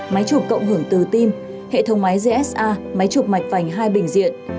máy chụp cộng hưởng từ tim hệ thống máy gsa máy chụp mạch vành hai bệnh viện